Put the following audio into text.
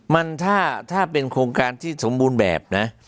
มันถ้าเป็นโครงการที่สมบูรณ์แบบนะ